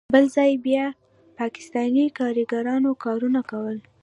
بل ځای بیا پاکستانی کاریګرانو کارونه کول.